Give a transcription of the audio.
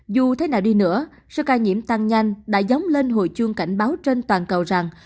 dù thế nào đi nữa số ca nhiễm tăng nhanh đã dóng lên hồi chuông cảnh báo trên toàn cầu rằng